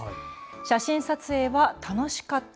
写真撮影は楽しかった。